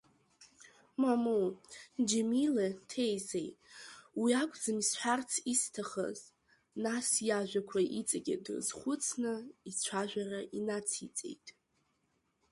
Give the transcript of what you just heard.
Мамоу Џьемиле ҭеизе, уи акәӡам исҳәарц исҭахыз, нас иажәақәа иҵегьы дрызхәыцны ицәажәара инациҵеит.